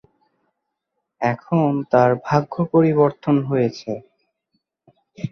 এখন তার ভাগ্য পরিবর্তন হয়েছে।